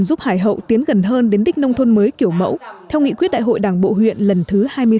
giúp hải hậu tiến gần hơn đến đích nông thôn mới kiểu mẫu theo nghị quyết đại hội đảng bộ huyện lần thứ hai mươi sáu đã đề ra